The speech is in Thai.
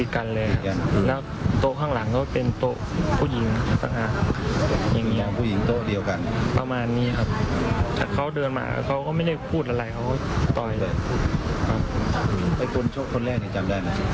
กลุ่มหัวตลอดเวลาครับแต่ก็ยังน่าสติตลอดเวลานะครับ